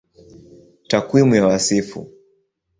Takwimu ya Wasifu